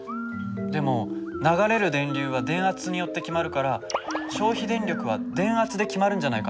でも流れる電流は電圧によって決まるから消費電力は電圧で決まるんじゃないかな？